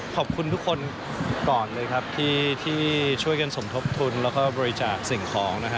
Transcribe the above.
ขอบคุณทุกคนก่อนเลยครับที่ช่วยกันสมทบทุนแล้วก็บริจาคสิ่งของนะฮะ